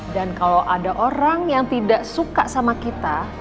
dan kalau ada orang yang tidak suka sama kita